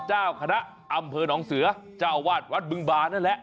เจ้าคณะอำเภอหนองเสือเจ้าวาดวัดบึงบานั่นแหละ